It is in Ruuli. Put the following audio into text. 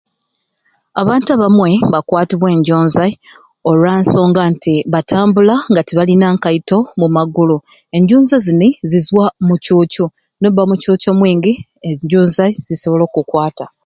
Abantu abamwe bakwatibwa enjunzai olwansonga nti batambula nga tibalina nkaito mumagulu, enjunzai zini zizwa mu cuucu nobba omu cuucu omwingi enjunzai ziyinza okukwata